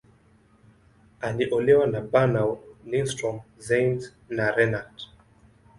Aliolewa na Bernow, Lindström, Ziems, na Renat.